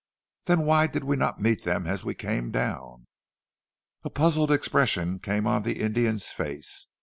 "Then why did we not meet them as we came down?" A puzzled expression came on the Indian's face.